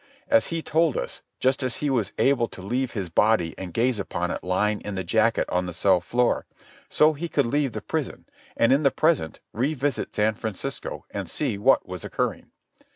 As he told us, just as he was able to leave his body and gaze upon it lying in the jacket on the cell floor, so could he leave the prison, and, in the present, revisit San Francisco and see what was occurring.